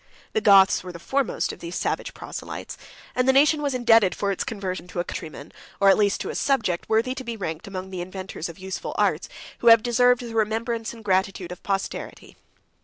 The Goths were the foremost of these savage proselytes; and the nation was indebted for its conversion to a countryman, or, at least, to a subject, worthy to be ranked among the inventors of useful arts, who have deserved the remembrance and gratitude of posterity.